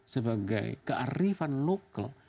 sebagai kearifan lokal